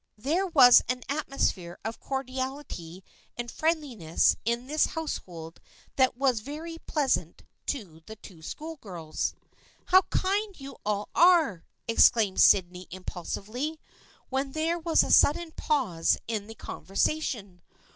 There was an atmosphere of cordiality and friendliness in this household that was very pleas ant to the two schoolgirls. " How kind you all are !" exclaimed Sydney impulsively, when there was a sudden pause in the conversation.